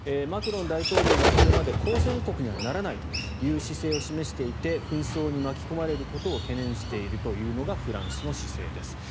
マクロン大統領はこれまで交戦国にはならないという姿勢を示していて紛争に巻き込まれることを懸念しているというのがフランスの姿勢です。